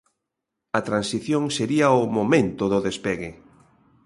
A transición sería o momento do despegue.